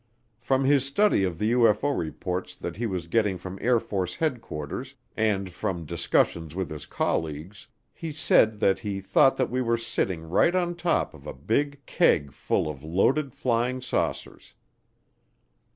From his study of the UFO reports that he was getting from Air Force Headquarters, and from discussions with his colleagues, he said that he thought that we were sitting right on top of a big keg full of loaded flying saucers.